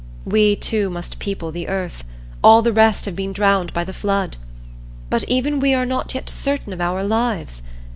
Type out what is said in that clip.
We two must people the earth; all the rest have been drowned by the flood. But even we are not yet certain of our lives.